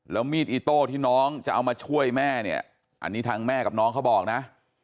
แล้วมีดอิโต้ที่น้องจะเอามาช่วยแม่เนี่ยอันนี้ทางแม่กับน้องเขาบอกนะ